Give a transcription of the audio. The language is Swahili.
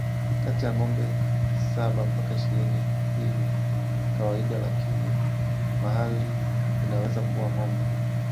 kati ya ngombe saba mpaka ishirini hii ni kawaidalakinia mahali inaweza kuwa ngombe